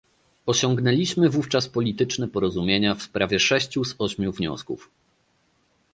Osiągnęliśmy wówczas polityczne porozumienia w sprawie sześciu z ośmiu wniosków